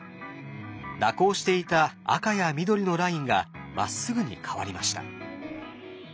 蛇行していた赤や緑のラインがまっすぐに変わりました。